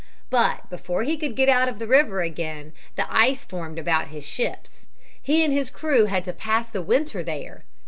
But before he could get out of the river again the ice formed about his ships. He and his crew had to pass the winter there.